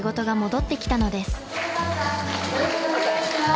よろしくお願いします。